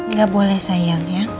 nggak boleh sayang ya